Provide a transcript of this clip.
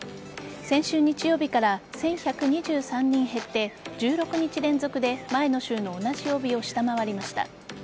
先週日曜日から１１２３人減って１６日連続で前の週の同じ曜日を下回りました。